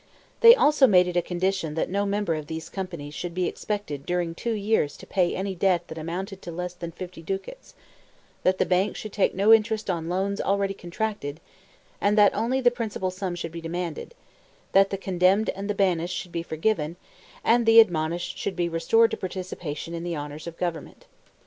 They also made it a condition that no member of these companies should be expected during two years to pay any debt that amounted to less than fifty ducats; that the bank should take no interest on loans already contracted, and that only the principal sum should be demanded; that the condemned and the banished should be forgiven, and the admonished should be restored to participation in the honors of government.